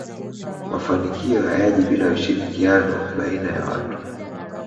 mafanikio hayaji bila ushirikiano baiana ya watu